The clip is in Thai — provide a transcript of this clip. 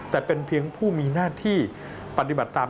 แต่เป็นเพียงผู้มีหน้าที่ปฏิบัติตาม